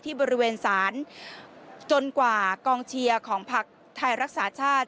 บริเวณศาลจนกว่ากองเชียร์ของภักดิ์ไทยรักษาชาติ